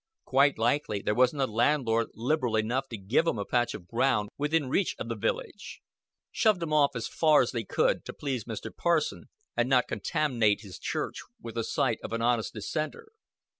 "Quite likely there wasn't a landlord lib'ral enough to give 'em a patch o' ground within reach o' th' village. Shoved 'em off as far as they could, to please Mr. Parson, and not contam'nate his church with the sight of an honest dissenter."